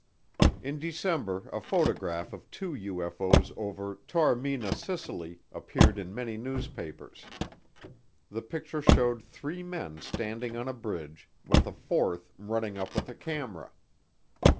In December a photograph of two UFO's over Taormina, Sicily, appeared in many newspapers. The picture showed three men standing on a bridge, with a fourth running up with a camera.